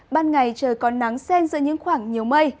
ban ngày trời có nắng sen giữa những khoảng nhiều mây